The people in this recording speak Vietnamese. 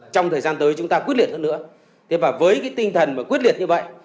trong thời gian tới chúng ta quyết liệt hơn nữa với tinh thần quyết liệt như vậy